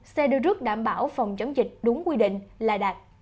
xe đưa rút đảm bảo phòng chống dịch đúng quy định là đạt